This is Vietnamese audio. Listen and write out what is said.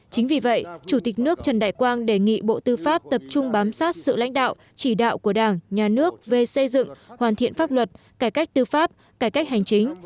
chính vì vậy chủ tịch nước trần đại quang đề nghị bộ tư pháp tập trung bám sát sự lãnh đạo chỉ đạo của đảng nhà nước về xây dựng hoàn thiện pháp luật cải cách tư pháp cải cách hành chính